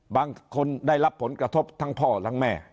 บางคนได้รับผลกระทบทั้งพ่อทั้งแม่